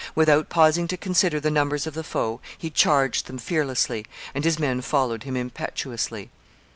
Without pausing to consider the numbers of the foe, he charged them fearlessly and his men followed him impetuously.